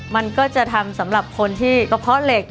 มันก็จะทำสำหรับคนที่กระเพาะเหล็ก